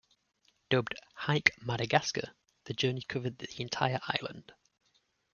Dubbed "Hike Madagascar", the journey covered the entire island.